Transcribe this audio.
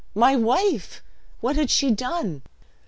my wife! what had she done?"